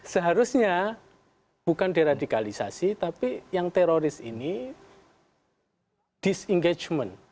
seharusnya bukan deradikalisasi tapi yang teroris ini disengajement